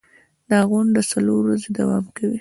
دا غونډه څلور ورځې دوام کوي.